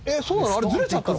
あれズレちゃったの？